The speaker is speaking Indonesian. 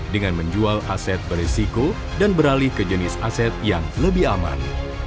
dengan menjual aset berisiko dan beralih ke jenis aset yang lebih aman